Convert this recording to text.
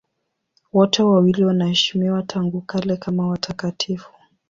Wote wawili wanaheshimiwa tangu kale kama watakatifu.